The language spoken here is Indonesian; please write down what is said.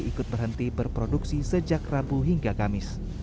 ikut berhenti berproduksi sejak rabu hingga kamis